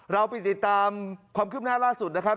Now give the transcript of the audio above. เราไปติดตามความคืบหน้าล่าสุดนะครับ